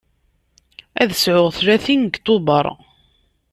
Ad sɛuɣ tlatin deg Tubeṛ.